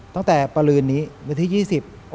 ตั้งแต่ประหลืนนี้วันที่๒๐